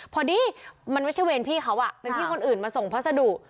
พอดีมันไม่ใช่เวรพี่เขาเป็นพี่คนอื่นมาส่งพัสดุ